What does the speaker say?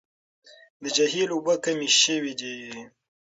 د جهيل اوبه کمې شوې دي.